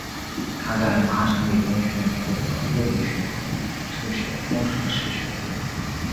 他在麻省理工学院获得了物理学和数学双学士学位。